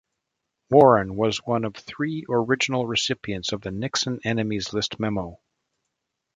Warren was one of three original recipients of the Nixon enemies list memo.